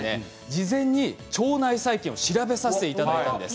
事前に腸内細菌を調べさせて頂いたんです。